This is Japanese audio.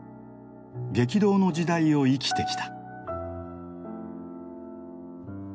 激動の時代を生きてきた。